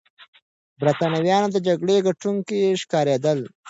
برتانويان د جګړې ګټونکي ښکارېدل.